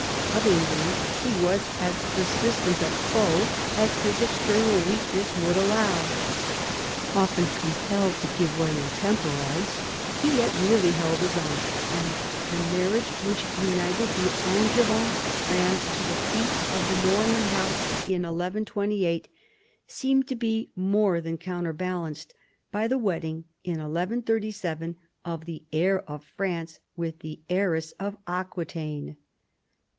of England he was as persistent a foe as his external weakness would allow. Often compelled to give way and tem porise, he yet really held his own, and the marriage which united the Angevin lands to the fiefs of the Norman house in 1128 seemed to be more than counter balanced by the wedding in 1137 of the heir of France with the heiress of Aquitaine.